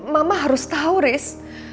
mama harus tau riz